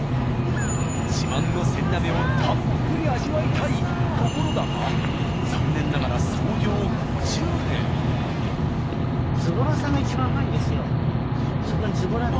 自慢のセリ鍋をたっぷり味わいたいところだが残念ながらそこに「ずぼら」って。